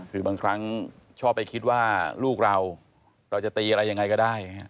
คือบางครั้งชอบไปคิดว่าลูกเราเราจะตีอะไรยังไงก็ได้